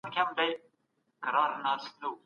دليل ئې د الله تعالی دغه قول دی، چي فرمايلي ئې دي